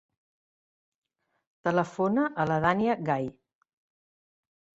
Telefona a la Dània Gay.